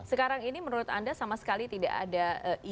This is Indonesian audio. sekarang ini menurut anda sama sekali tidak ada